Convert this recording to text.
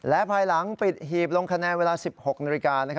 และภายหลังปิดหีบลงคะแนนเวลา๑๖นาฬิกา